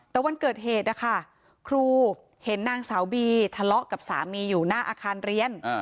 แต่วันเกิดเหตุนะคะครูเห็นนางสาวบีทะเลาะกับสามีอยู่หน้าอาคารเรียน